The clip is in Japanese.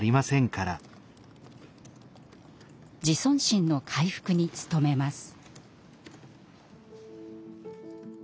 自尊心の回復に努めます。